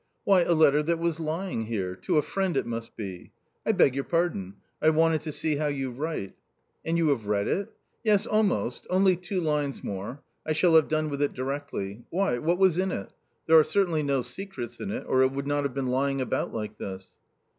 " Why a letter that was lying here ; to a friend, it must be. I beg your pardon — I wanted to see how you write." " And you have read it ?"" Yes, almost, only two lines more — I shall have done with it directiy ; why what was in it ? there are certainly no secrets in it, or it would not have been lying about like this."